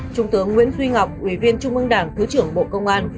trung tướng nguyễn duy ngọc ủy viên trung ương đảng thứ trưởng bộ công an